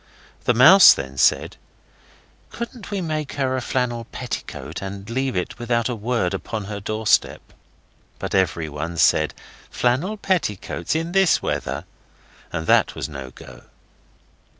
The Mouse then said, 'Couldn't we make her a flannel petticoat and leave it without a word upon her doorstep?' But everyone said, 'Flannel petticoats in this weather?' so that was no go.